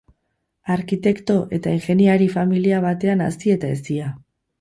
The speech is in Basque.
Arkitekto- eta ingeniari-familia batean hazia eta hezia.